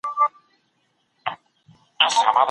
کميټي څنګه پلټني کوي؟